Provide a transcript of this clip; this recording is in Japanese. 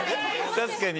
確かに。